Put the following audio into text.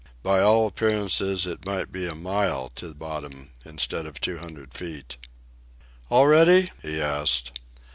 By all appearances it might be a mile to bottom instead of two hundred feet. "All ready?" he asked.